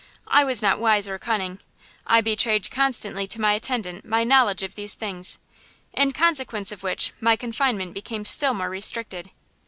I was not wise or cunning. I betrayed constantly to my attendant my knowledge of these things. In consequence of which my confinement became still more restricted."